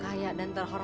kayak gini ada orang kok